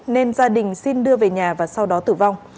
nên gia đình xin đưa về nhà và sau đó tử vong